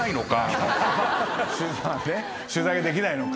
取材ができないのか？